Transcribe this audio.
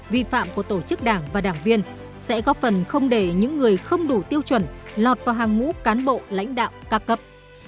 vi phạm của tổ chức đảng và đảng viên sẽ góp phần không để những người không đủ tiêu chuẩn lọt vào hàng ngũ cán bộ lãnh đạo ca cấp